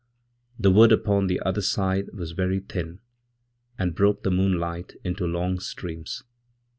The woodupon the other side was very thin, and broke the moonlight into longstreams.